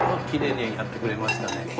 きれいにやってくれましたね。